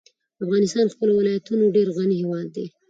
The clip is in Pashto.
افغانستان په خپلو ولایتونو ډېر غني هېواد دی.